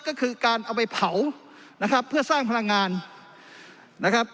ก็คือการเอาไปเผานะครับเพื่อสร้างพลังงานนะครับ